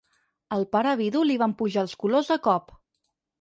Al pare vidu li van pujar els colors de cop.